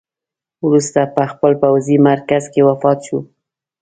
وروسته په خپل پوځي مرکز کې وفات شو.